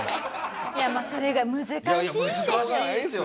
いやそれが難しいんですよ。